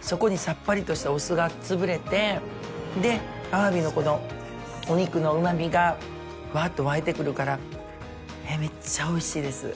そこに、さっぱりとしたお酢が潰れてアワビのお肉のうまみがふわっと湧いてくるからめっちゃおいしいです。